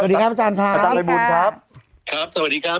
สวัสดีครับอาจารย์ค่ะอาจารย์บุญครับสวัสดีครับอาจารย์ค่ะ